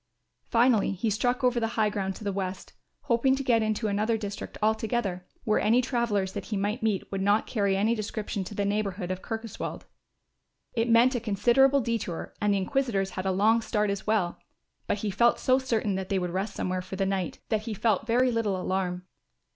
Finally he struck over the high ground to the west, hoping to get into another district altogether, where any travellers that he might meet would not carry any description to the neighbourhood of Kirkoswald. It meant a considerable detour and the inquisitors had a long start as well; but he felt so certain that they would rest somewhere for the night, that he felt very little alarm.